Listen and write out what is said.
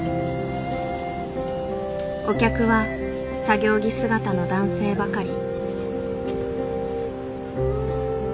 お客は作業着姿の男性ばかり。